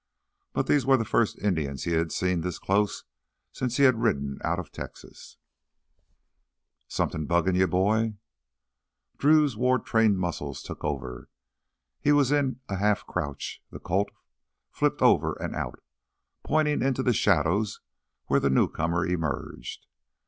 But they were the first Indians he had seen this close since he had ridden out of Texas. "Somethin' buggin' you, boy?" Drew's war trained muscles took over. He was in a half crouch, the Colt flipped over and out, pointing into the shadows where the newcomer emerged.